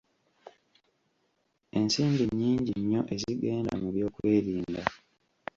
Ensimbi nnyngi nnyo ezigenda mu byokwerinda.